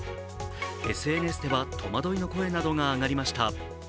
ＳＮＳでは戸惑いの声などが上がりました。